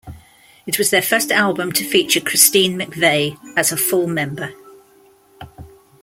It was their first album to feature Christine McVie as a full member.